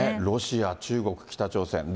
ロシア、中国、北朝鮮。